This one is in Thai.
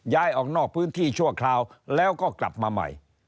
ย้ายออกนอกพื้นที่ชั่วคราวแล้วก็กลับมาใหม่